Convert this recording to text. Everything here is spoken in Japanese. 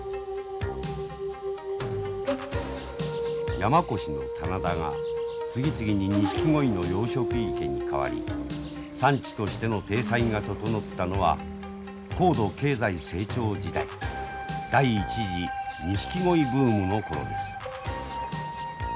山古志の棚田が次々にニシキゴイの養殖池に変わり産地としての体裁が整ったのは高度経済成長時代第１次ニシキゴイブームの頃です。